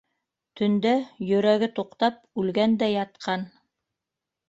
Төндә, йөрәге туҡтап, үлгән дә ятҡан...